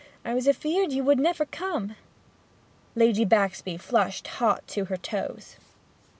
I was afeard you would never come!' Lady Baxby flushed hot to her toes.